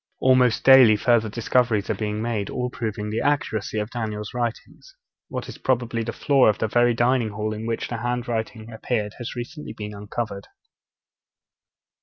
Almost daily further discoveries are being made, all proving the accuracy of Daniel's writings. What is probably the floor of the very dining hall in which the hand writing appeared has recently been uncovered.